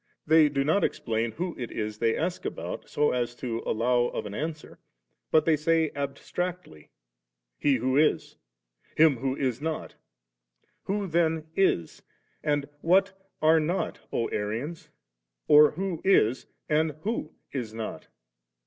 they do not explain who it is they ask about, so as to allow of an answer, but thef say abstractedly, * He who is,* * him who is not' Who then Ms,' and what *are not,' 0 Arians? or who 'is,' and who *i8 not?'